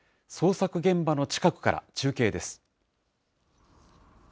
捜索現場の近くから、中継です。